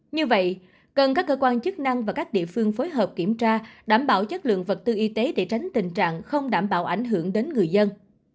như vậy cần các cơ quan chức năng và các địa phương phối hợp kiểm tra đảm bảo chất lượng vật tư y tế để tránh tình trạng không đảm bảo ảnh hưởng đến người dân